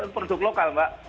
ini produk lokal mbak